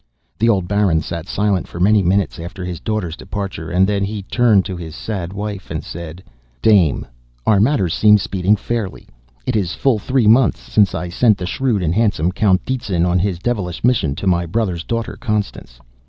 The old baron sat silent for many minutes after his daughter's departure, and then he turned to his sad wife and said: "Dame, our matters seem speeding fairly. It is full three months since I sent the shrewd and handsome Count Detzin on his devilish mission to my brother's daughter Constance.